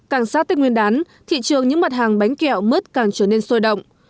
càng sát tết nguyên đán thị trường những mặt hàng bánh kẹo mứt càng trở nên sôi động